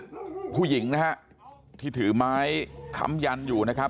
คุณพูดอะไรบ้างครับเป้าอิอินร้ายน้ำแยงน่ะครับ